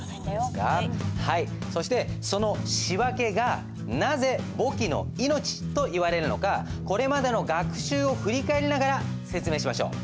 そしてその仕訳がなぜ簿記の命といわれるのかこれまでの学習を振り返りながら説明しましょう。